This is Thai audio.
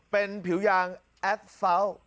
เป็นผิวยางแอฟเฟลล์